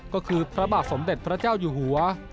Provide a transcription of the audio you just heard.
ก็คือพระบาทสมเด็จพระเจ้าอยู่หัว